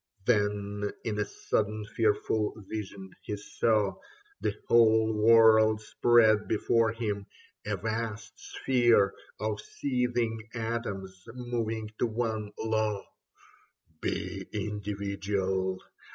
Then in a sudden fearful vision he saw The whole world spread before him — a vast sphere Of seething atoms moving to one law :" Be individual.